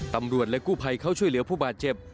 ตำรวจและกู้ภัยเขาช่วยเหลือผู้บาดเจ็บ